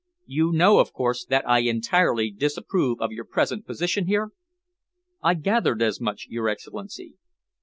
You know, of course, that I entirely disapprove of your present position here?" "I gathered as much, your Excellency."